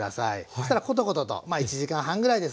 そしたらコトコトとまあ１時間半ぐらいですね